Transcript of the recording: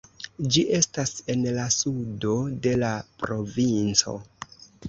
Ĝi estas en la sudo de la provinco.